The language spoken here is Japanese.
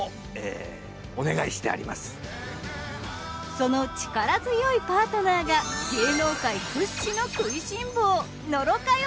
その力強いパートナーが芸能界屈指の食いしん坊。